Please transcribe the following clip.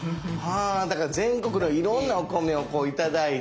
だから全国のいろんなお米を頂いて。